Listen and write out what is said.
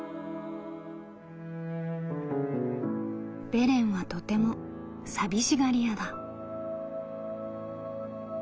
「ベレンはとても寂しがり屋だ」。